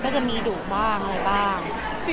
ก็จะมีดุบ้างอะไรบ้าง